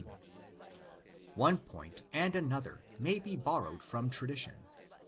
One point and another may be borrowed from tradi tion (xi.